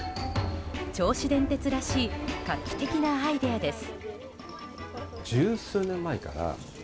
銚子電鉄らしい画期的なアイデアです。